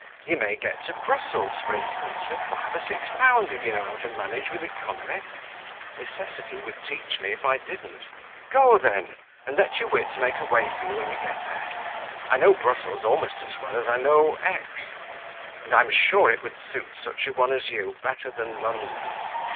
You may get to Brussels, for instance, for five or six pounds, if you know how to manage with economy." "Necessity would teach me if I didn't." "Go, then, and let your wits make a way for you when you get there. I know Brussels almost as well as I know X , and I am sure it would suit such a one as you better than London."